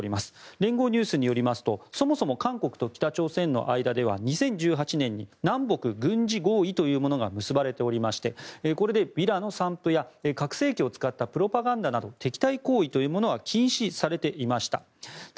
連合ニュースによりますとそもそも韓国と北朝鮮の間では２０１８年に南北軍事合意というものがされておりましてこれでビラの散布や拡声器を使ったプロパガンダなど敵対行為というものは禁止されていました。